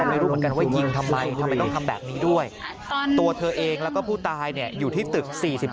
ไม่รู้เหมือนกันว่ายิงทำไมทำไมต้องทำแบบนี้ด้วยตัวเธอเองแล้วก็ผู้ตายอยู่ที่ตึก๔๔